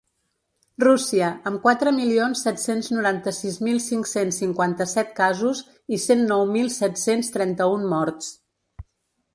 Rússia, amb quatre milions set-cents noranta-sis mil cinc-cents cinquanta-set casos i cent nou mil set-cents trenta-un morts.